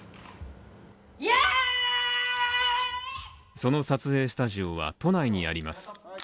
その撮影スタジオは、都内にあります